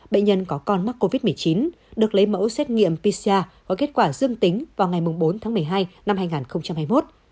bệnh nhân có con mắc covid một mươi chín được lấy mẫu xét nghiệm pcr có kết quả dương tính vào ngày bốn tháng một mươi hai năm hai nghìn hai mươi một